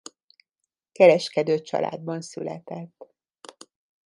Kereskedő családban született.